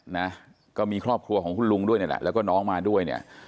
นะก็มีครอบครัวของคุณลุงด้วยนี่แหละแล้วก็น้องมาด้วยเนี่ย